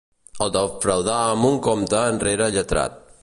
El defraudà amb un compte enrere lletrat.